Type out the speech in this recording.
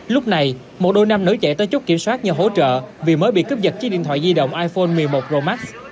lúc này một đôi nam nữ chạy tới chốt kiểm soát nhờ hỗ trợ vì mới bị cướp giật chiếc điện thoại di động iphone một mươi một pro max